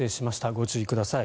ご注意ください。